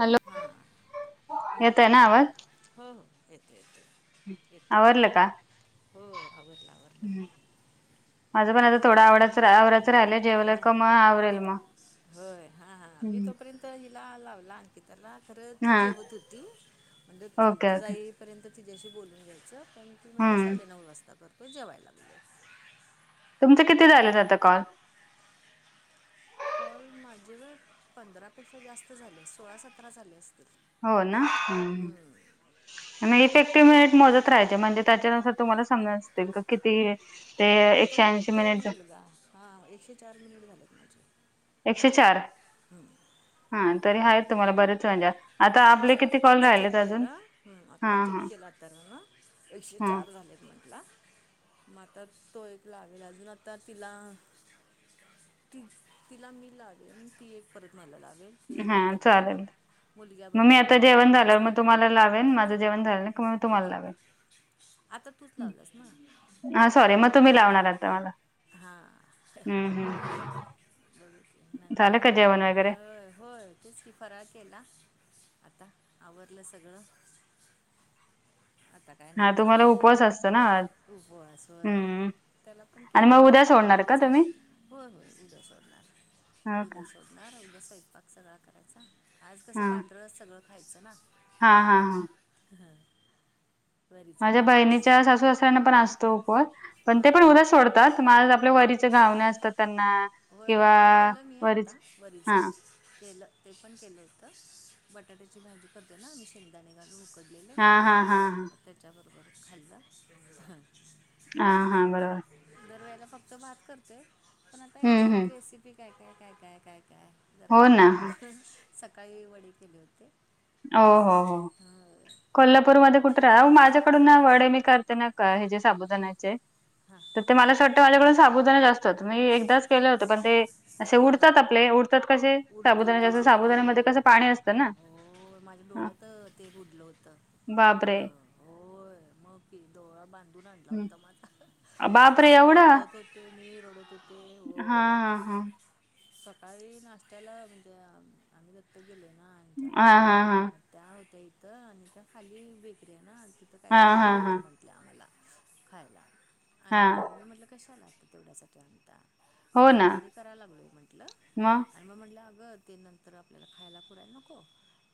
Hello, हां येतोय ना आवाज? हो हो, येतय येतय, येतोय, आवरलं का हो आवरलं आवरलं. माझं पण आता थोडा आडच रा- आवराचं राहिलंय. जेवलं का मग आवरेल मग. होय हां हां मी तोपर्यंत हिला लावला अंकिताला, तर ती हा जेवत हूती, म्हणलं ओके तुझा ओके ईल पर्यंत तिच्याशी बोलून घ्यायचं, पण ती म्हणली हम्म साडेनऊ वाजता करतो, जेवाय लागलोय. तुमचं किती झालेत आता कॉल? कॉल माझे वय, पंधरापेक्षा जास्त झाले, सोळा सतरा झाले असतील. हो ना, हम्म. [unintelligible] मोजत राहायचे, म्हणजे त्याच्यानुसार तुम्हाला सांगायचं नेमकं किती, ते हो तो एकशे ऐंशी बघतोय मिनिटच मुलगा हां, एकशे चार मिनिट झालेत माझे. एकशे चार हो. हा, तरी आहेत तुम्हाला बरेच म्हणजे आता आपले किती कॉल आत्ता राहिलेत चेक अजून केलं, हम्म, हा आता चेक हा केला तर ना एकशे ह चार झाल्यात म्हटला म- आता तो एक लावेल, अजून आता तिला ती तिला मी लावेल, ती एक परत मला लावेल. ते एक हा होतात दोन, चालेल मुलग्या बरोबर एक होईल माझा. मला लावेल, माझं जेवण झालं का मी तुम्हाला लावेल. आता तूच लावलंस ना. हा सॉरी, मग तुम्ही लावणार आता मला. हां, हम्म हम्म बोल. झालं नंतर, का जेवण वगैरे होय होय तेचकी फराळ केला, आता आवरलं सगळं. आता काय नाय हा काम, तुम्हाला उपवास असतो ना आज उपवास व्हय हम्म त्याला पण आणि केला मग की उद्या सोडणार का वरीचा तुम्ही भात, होय, होय उद्या हो का सोडणार. राहिलं स्वयंपाक सगळां करायचा, आज हा कसं पांढर सगळं खायचं ना. हा हा हा [unintelligible] हां माझ्या बहिणीच्या सासू सासऱ्यांना पण असतो उपवास, पण ते हां पण हां उद्या सोडतात, माझ आपलं होय वरीचं गावणं असतं त्यांना होय किंवा घावन केलं मी वरीच आत्ता, वरीच हा केलं. ते पण केलं होतं, बटाट्याची भाजी करतो ना आम्ही शेंगदाणे घालून उकत हा हा हा. त्याच्याबरोबर खाल्लं हं. हा हा बरोबर. दर फक्त करते. पण आता हम्म येतात हम्म रेसिपी काय काय काय काय काय काय जरा हो ना बघून बघू. सकाळी वडी केले होते. हो वडीचे हो. होय. कोल्हापूरमध्येध्ये कुठेराव माझ्याकडून ना वडे मी करते ना का ह हे ते. साबुदाण्याचे हां तर ते मला असंवाट माझ्याकडून साबुदा जास्त मी एकदाच केले होते पण ते असे हां उडतात आपले. त्यात कसे उडतंय ते साबुदा उडते साबुदाानमध्ये कसं पाणी असतं ना. हो माझ्या हा डोळ्यात ते उडलं होतं बापरे एकद होय मग की दोळा बांधून आणला हं होता मता बापरे फसले एवढा रडत होते. ते मी रडत होथे हा व हा हा सकाळी नाशता. त्याला म्हणजे अ ज प गेले ना आणि हा त्यांना. हा हा त्या होत्या इथं आणि त्या खाली बेकरी आहे ना तिथं हा काहीतरी हा घेऊन येतो हा मला. आम्हाला खायला हा आणि मी म्हटलं कशालागते तेवढ्यासाठी आता. मी वडी करा लागलो म्हंटलं. म आणि म्हटलं अगं नंतर आपल्याला खायला पुरायला नको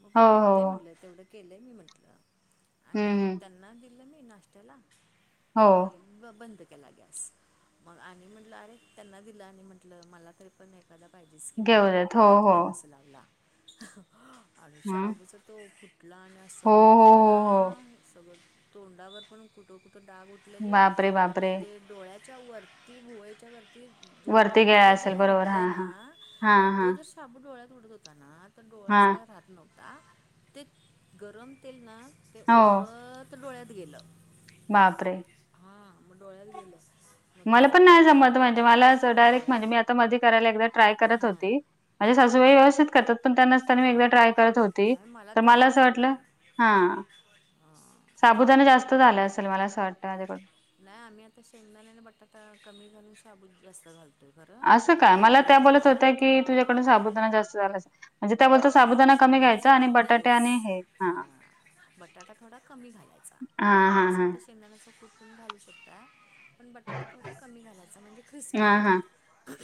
मग हो मी हो पुरते हो म्हटलं तेवढं. केलं म्हटलं हं आणि हं त्यांना मी नाश्त्याला हो आणि ब बंद केला गॅस. मग आणि म्हटलं अरे त्यांना दिलं आणि म्हटलं मला तरी पण एखादा पाहिजे. म्हणून मी घेऊद्यात हो परत हो गॅस लागला अषा हं आबूचा तो फुटला हो असं हो उठलं हो ना हो सगळं तोंडावर पण कुठं कुठं डाग उठ फठलेले बापरे आणि बापरे ते डोळ्याच्या वरती भुळेच्या वरती. वरती जोरात गेला असेल ते बरोबर हा उडाले ना हा हा हा तो जर साबुदाणा डोळ्यात उडत होता ना तर हा डोळ्याच काय राहत नव्हता. का ते गरम तेल ना ते हो ओघळत डोळ्यात गेलं. बापरे! हा मंग डोळ्या गेल मला पण नाही जमत म्हणजे मला असं डायरेक्ट होय म्हणजे मी आता मध्ये करायला ट्राय करत हां होती माझे हां सासूबाई व्यवस्थित कर त्यां नसताना मी एकदा होय ट्राय करत होती नाही तर मला तेव्हाच असं वाटलं झालं हा हां साबुदाणा जास्त झाला असेल मला असं वाटतं माझ्याकडुन. नाही आम्ही आता शेंगणा नाही बटाटा कमी घालून शाबू जास्त घालतो. आहे खरं असं ते काय मला त्या कुरकुरीत बोलत होत्या होतात की तुझ्याकडून साबुदाणा जास्त झाला असं म्हणजे त्या बोलतात नाही साबुदाना कमी शाबूचं घ्यायचा आणि बटाटे उडतंयच आणी हे हा. हां बटाटा हा हा हा. शेंगदाण्याचा कुट पन घालू शकताय. पण बटाटा थोडा कमी घालायचा म्हणजे क्रिस्पी हा हा होतात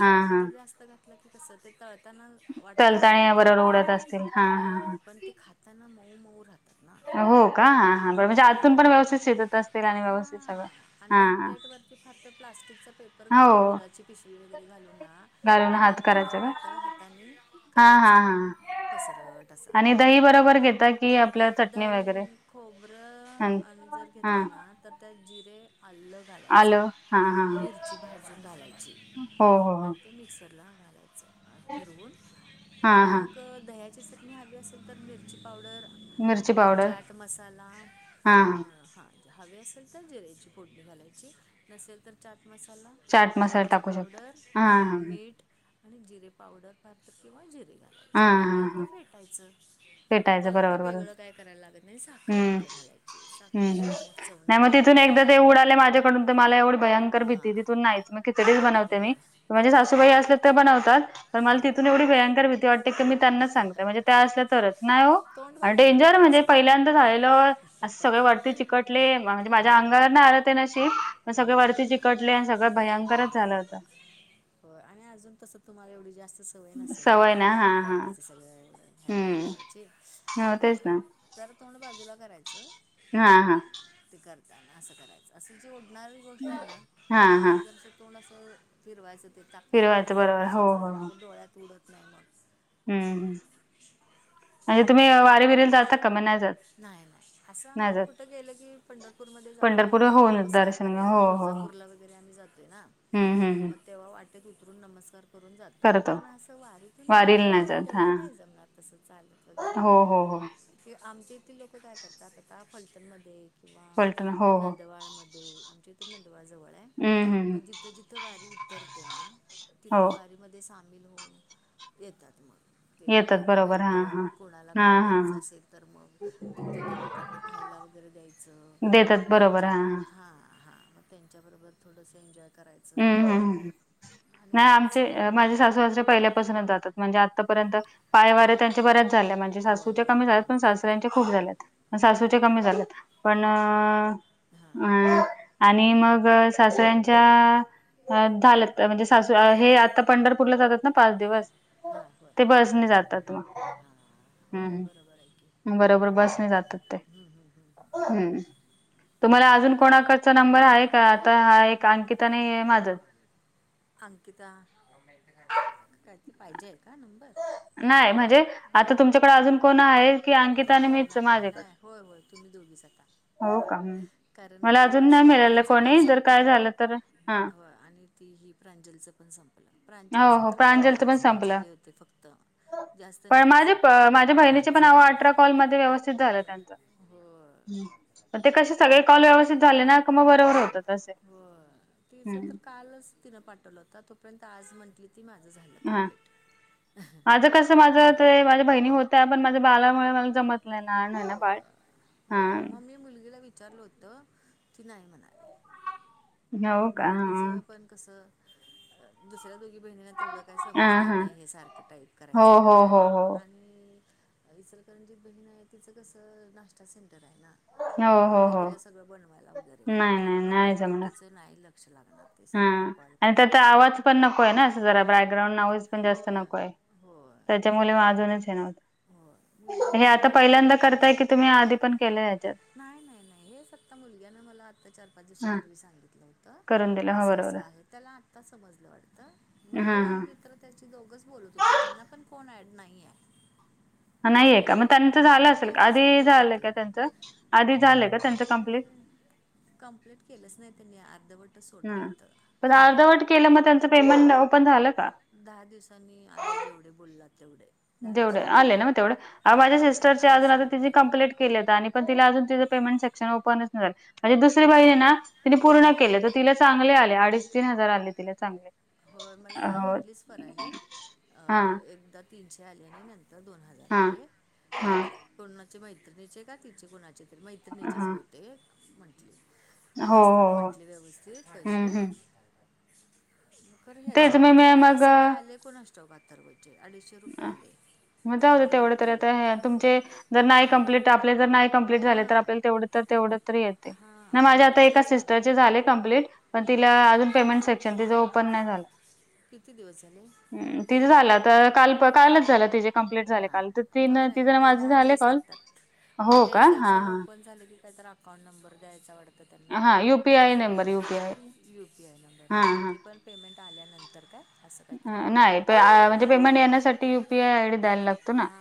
हा हा बटाटा जास्त [unintelligible] कस ते तळताना वाटते आपल्याला तलताणी बरोबर उडत असतील हा कुरकुरीत हा हा. पण ते खा ताना मऊ मऊ राहतात. ना हो का ह हा म्हणजे आतून हां व्यवस्थित शिजत असतील आणि व्यवस्थित सगळं हा हा. त फक्त प्लास्टिकचा पेपर हो घालून दुधाची पिशवी वगैरे घालून ना घालून पातळ हात पातळ करायचा का पातळ हातानी हा करायच. हा हा पसरट असा आणि दही बरोबर घेता की आपल्या चटणी दही वगैरे हं खोबरं जर हा घेतलं ना तर त्या जिरे आल घालायचं, आलं हा हा ह मिरची भाजून घालायची, हो हो हो आणि ते मिक्सरला घालायचं फिरवून, हा आणि हा मग दह्याची चटणी हवी असेल तर मिरची पावडर मिरची अं पावडर चाट मसाला, हा हा हां हवी असेल तर जिर्याची फोडणी घालायची, नसेल तर चाट मसाला चाट मसाला मिरची टाकू शकतो पावडर, हा, मीठ आणि जिरे पावडर, फार तर किंवा जिरे हा घालायचे, हा आणि हा फक्त हा फेटायचं. पेटायचं त्याला काय बरोबर बरोबर वेगळं काय करायला लागत नाही, साखर हम्म मात्र घालायची, हम्म साखर हम्म. शिवाय नाही मग तिथून एकदा ते उडाले माझ्याकडून, तर मला एवढी भयंकर हां भीती, तिथून नाहीच मग खिचडीच बनवते हो मी, म्हूणजे हो सासूबाई असले तर बनवतात, तर मला हां तिथून एवढी भयंकर भीती वाटत ते की मी त्यांनाच सांगते, म्हणजे त्या असल्या तरच, नाही हो तोंड आणि बाजूला डेंजर म्हणजे करायचं पहिल्यांदा झालेलं, असं सगळे वरती चिकटले, म्हणजे माझ्या हो अंगावर का नाय आलं ते नशीब, पण सगळे हो वरती चिकटले, आणि सगळं भयंकरच झालं होतं. होय, आणि अजून तसं तुम्हाला एवढी जास्त सवय नसल ना. सवय हा हा सगळ हेंडल हम्म करायची, हो तेच ना जरा तोंड बाजूला करायचं हा हा. ते करताना असं करायचं, असं जे उडणारी गोष्ट आहे ना, हा हा ते जर तोंड असं फिरवायचं, ते टाकताना फिरवायचं वगैरे बरोबर हो हो दुसरीकडं, हो म्हणजे डोळ्यात उडत नाही मग. हम्म. आणि तुम्ही वारी बिरीला जाता का मग नाही जात? नाही नाही, असं नाही आम्ही जात कुठं गेलो की पंढरपूरमध्ये जातोय पंढरपूर आम्ही, होऊन नमस्कार दर्शन घ करायला, हो हो हो तुळजापूरला वगैरे आम्ही जातोय ना, हम्म हम्म हम्म मग तेव्हा वाटेत उतरून नमस्कार करून जातोय, करतो पण असं वारी तर वारीला नाही ऐकत जात हा तेवढं नाही जमणार तसं चालत वगैरे हो हॊ हॊ. की आमच्या इथे लोकं काय करतात, आता फलटण मध्ये किंवा, पलटण हो हो नंदवाळमध्ये इथून नंदवाळ जवळ आहे, हम्म हम्म हम्म. मग जिथं जिथं वारी उतरते ना, हो तिथं वारी मध्ये सामील होऊन, येतात मग. ते येतात लोकांना बरोबर हा हा भेटून, कोणाला हा काय हा द्यायचं हा असेल तर मग तिथं तर लोकांना खायला वगैरे द्यायचं, त्यांच हा हा, मग त्यांच्याबरोबर थोडंसं एन्जॉय करायचं. हम्म हम्म, आणि नाही यायचं आमचे माझे सासू सासरे पहिल्या पसूनच जातात, म्हणजे आता पर्यंत पाय हां वारे त्यांच्या बऱ्याच झाल्या, म्हणजे होय सासू चे होय कमी होय झाल्या, पण होय सासऱ्यांच्या खूप झाल्यात, म हां सासुच्या कमी झाल्यात, पण अ हां आणि मग सासऱ्यांच्या झालंत, म्हणजे सासू हे आता पंढरपूरला जातात ना पाच दिवस हां होय ते होय बसने जातात मग. हां होय हम् बरोबर आहे की ह बरोबर बसणी जातात ते. हं, हं, हं, हं. ह् तुम्हाला अजून कुठलं गाव कोणाकडचा नंबर आहे का आता एक हा अंकिताने माझ अंकिता काय ति पाहिजे आहे का नंबर? नाही म्हणजे हां आता तुमच्याकडे अजून कोण आहे? की अंकिता आणि नाही मीच नाही माझ्याकडे नाही होय होय तुम्ही दोघीच आता. हो का हम्म. कारण मला ते अजून नाही मिळालं स्वरालीच पण कोणी जर काय संपलं झालं तर हा हो. आणि ती ही प्रांजलीच पण संपलं हो प्रांजलीच हो तर काय एक प्रांजलचं पण दोनच कॉल संपलं झाले होते फक्त. जास्त पण नाहीच माझे माझ्या बहिणीचे पाच पण सहा अहो अठरा कॉलमध्ये व्यवस्थित झालं त्यांचा पण ते कसं सगळे कॉल व्यवस्थित झाले ना तर मग बरोबर हो होतात तसे हो तिचं हंम. तर कालच तिनं पाठवलं होता तोपर्यंत आज म्हंटली ती माझं झालं कंप्लेट. माझं कसं माझं माझ्या बहिणी होत्या पण माझ्या बालामुळे मला जमतलंय नाय ना लहान आहे ना हो बाळ हो हा. मग मी मुलगीला विचारलं होत ती नाही म्हणाली. हो मग का हा बहिणीचं पण कसं दुसऱ्या दोघी बहिणी तेवढं काही हा समजणार हा नाही हे सारखं टाईप हो करायचं हो वगैरे हो हो आणि इचलकरंजीत बहीण आहे तिचं कसं नाश्ता सेंटर आहे ना. हो मग हो ते हो तिला सगळं बनवायला वगेरे नाही लागते नाही नाही त्यातून जमणार तिचं नाही लक्ष लागणार ते सारखं कॉल करायला होय ना असं जरा बॅकग्राउंड आवाज पण जास्त होय नको आहे होय त्याच्यामुळे म अजूनच हे नव्हतं. होय मुलगी हे पण आता मग तिला पहिल्यांदा पण करताय नाही की तुम्ही आधी पण केलं हयाच्यात? नाही नाही नाही हेच आत्ता मुलग्यान मला आता चार पाच हा दिवसापूर्वी सांगितलं होतं. करून दिलं हो अस अस बरोबर आहे त्याला आता समजल वाटत मग तो हा आणि हा मित्र त्याची दोघच बोलत होते त्यांना पण कोण ॲड नाहीये. नाहीये का नाही मग कोन त्यांचं नाही झालं ते असेल का दोघच आधी बोलत झालं होते. का त्यांचं आधी झालं का त्यांचं कंप्लीट कंप्लीट केलंच नाही त्यांनी अर्धवटच सोडल हा होत. पण अर्धवट केलं मग त्यांचं पेमेंट ओपन झालं का? दहा दिवसांनी आलं जेवढे बोललात तेवढे. दहा तेवढं दिवसांनी आले येतं ना मग आहे तेवढं माझ्या आले सिस्टरचे अजून अडीचशे आता रुपये तिची आले कंप्लेट केले पण आता तिच पेमेंट सेक्शन ओपनच नाही झालं माजी दुसरी बहिन आहे ना तिने हां पूर्ण केल त तिला चांगले आले अडीच तीन हजार आले तिला चांगले. होय मला काल हो म्हणली स्वराली हा एकदा तीनशे आली आणि नंतर दोन हज हा [unintelligible] हा म्हणली कोणाच्या मैत्रिणीचे का तिचे कोणाचे तर मैत्रि [unintelligible] हा बहुतेक म्हटले हो हो असतात हो म्हंटले व्यवस्थित हम्म पैशे. हम्म खर ह्याच तेच मी मी आमच्या मग कसं काय आले कोणास ठाऊक अथर्व चे अडिशे [unintelligible] तेवढ तरी आता तुमचे जर नाही कंप्लीट आपले जर नाही कम्प्लीट झाले तर हां आपल्याला तेवढे तर तेवढे तर येतंय नाही हां माझ्या मग आता तो एका तेच सिसटर म्हटला चे झालंय कम्पलेट पण बरं तिला अजून पेमेंट सेक्शन तिचा ओपन नाही झाल. किती दिवस झाले तिच झाल आता काल कालच झालं तिचे कम्प्लीट झाले हां काल मग नाही ते दहा दिवस लागतात [unintelligible] मग ते का हा सेक्शन हा ओपन झाले की काही तर अकाउंट नंबर द्यायचा वाट त्यांना हा UPI number UPI U P I number हा ते पण पेमेंट आल्यानंतर काय? असं काहीतरी हा आहे नाही तर म्हणजे पेमेंट येण्यासाठी यु पी आय आयडी द्यायला लाग हा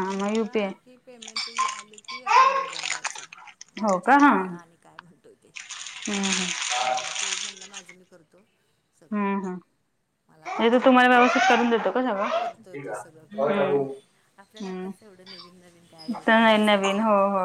हा म्हणाला की पेमेंट आले की आपण नंबर द्यायचा. म हो का हा विचारते त्याला आणि काय म्हणतोय ते. हम्म हम्म. हं, तर म्हणला माझं मी करतो सगळं हम्म हम्म. मला काय हे तो तेवढं तुम्हाला जमत व्यवस्थित नाही करून देतो का सगळं? करतोय तो सगळं कर हम्म [unintelligible] आपल्यालातच एवढं नवीन-नवीन काय तर एवढं नाही नवीन हो समजत. हो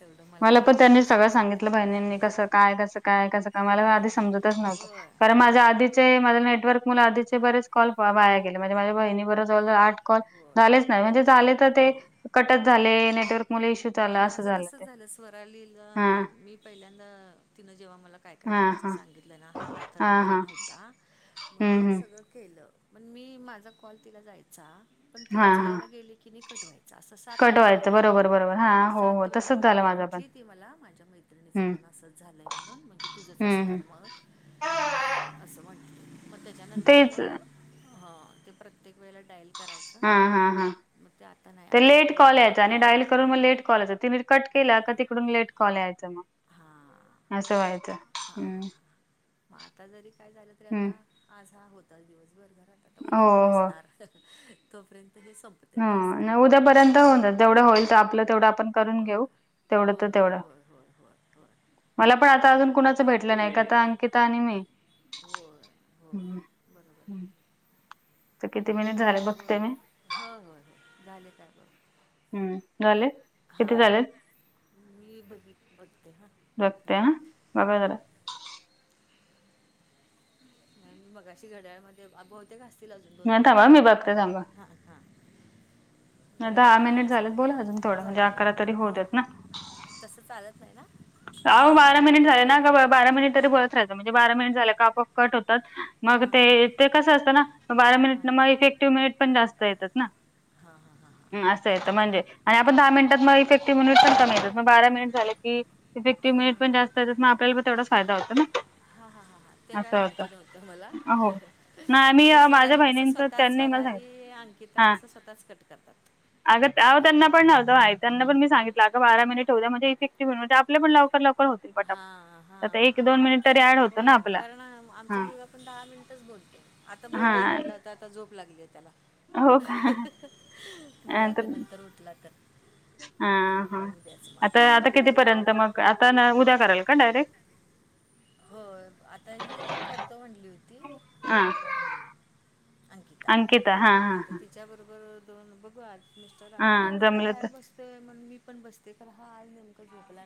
तेवढं मला काय पण त्यांनी नाही सगळं समजत. सांगितलं बहिणींनी कसं काय कसं काय कसं काय मला आदी हम्म. समजतच नव्हतं. होय कारण माझ्या होय आदीचे माझ्या नेटवर्क मुळे आदीचे बरेच कॉल व वाया गेले म्हणजे माझ्या बहिणी बर जवळ-जवळ आठ कॉल होय झालेच नाही म्हणजे झाले तर ते होय कटच झाले नेटवर्क मुळे इशूच मग आला असं माझं झाला तसंच ते. झालं स्वरालीला हा मी पहिल्यांदा तिनं जेव्हा मला काय-काय हा करायच हा सांगितलं ना हा आथर्व घरी नव्हता म हम्म मीच हम्म सगळं केलं पण मी माझा कॉल तिला जायचा. पण ती हा हा उचलायला गेली की नाही कट व्हायचा असं सात कट वेळा व्हायचं झालं बरोबर आम्हाला. बरोबर हा हो हो सात वेळा तसच झालं माझं पण म्हटली ती मला माझ्या मैत्रिणीचं हम्म पण असंच झालंय म्हणून म्हूणजे तुझंच हम्म हम्म असणार मग [unintelligible] असं म्हटली मग त्याच्यानंतर तेच मग हा ते प्रत्येक वेळेला डायल कराय हा हा हा ते लेट काय कॉल यायचा होतं आणि आहे डाईल करून म लेट कॉल यायचा ती नीट कट केला का तिकडून लेट कॉल यायचं म. हा हा हम्म हा म आता जरी काय झालं तरी हम्म आता आज हा होता दिवसभर घरात आता हो उद्या पण हो असणार तोपर्यंत हे संप हा नाही उद्यापर्यंत होऊन दे जेवढं होईल ते आपलं तेवढं आपण करून होय घेऊ तेवढं हो तर होय तेवढं. होय होय होय होय मला पण आता बरोबर अजून कुणाचं भेटलं नाही का आता अंकिता आणि मी होय होय हम्म बरोबर हम्म तर किती मिनिट झाले बघते मी. हा होय होय हो झाले का बघ? हम्म झाले. किती हां झालेत मी बघित बघते हां एक बघते मिनिट हा बघा जरा. नाही मी मघाशी घड्याळमध्ये ते बहूतेक असतील अजून दोन नाही तीन थांबा मी बघते थांबा मिनिट हा हा. दहा मिनिट झालेत बोला अजून थोडं म्हणजे झाले ना अकरा तरी होऊ देयात ना. हा, तसं चालत नाही ना. अहो दहा बारा मिनिट मिनिटच झाले बोल ना का बारा मिनिट तरी बोलत राहायचं म्हणजे बारा मिनिट झाले का आपोआप ऑप कट होतात. मग हां ते हां ते कसं असतं ना बारा हां मिनिटनं म इफेक्टिव्ह मिनिट पण जास्त येतात ना. हा हा हा. असं आहेत म्हणजे आणि आपण दहा मिनिटात मग इफेक्टिव्ह पण कमी येतात म बारा मिनिट झाले की इफेक्टीव हां मिनिट पण जास्त येतात म आपल्याला तेवढा फायदा होतं ना. हा हा हा हा ते काय असं होतं माहिती नव्हतं मला हो. नाही मी ते माझ्या स्वराली कसं स्व बहिणींचं तः त्यांनी मला स्वराली सांगितलं अंकिता हा. कसं स्वतःच कट करतात. अगं त्या त्यांना पण नव्हतं माहित. त्यांना पण मी सांगितलं अगं बारा मिनिट होऊ दे म्हणजे इफेक्टि्व [unintelligible] आपलं पण लवकर लवकर हो हा हा. ऍड होतो ना होय आपला कारण आम आमचा हा. मुलगा आपण दहा मिनिटच बोलतो आता हा बोलूया म्हणलं. ते आता आता झोप लागलीय त्याला. हो का बघुया आता तर नंतर उठला तर. हा नाही तर म हा काय उद्याच मग आता. आता कितीपर्यंत, मग आता उद्या कराल का डायरेक्ट? होय आता ही करतो म्हणली हुती, हां आणी अंकिता, हां हां आता हां तिच्याबरोबर दोन बघू आ, मिस्टर आले हा हां जरा जमलं बाहेर तर बस म्हणून मग मी पण बसते, खरं हा आज नेमकं झोपला नाही